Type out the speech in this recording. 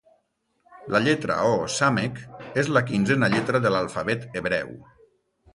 La lletra o sàmec és la quinzena lletra de l'alfabet hebreu.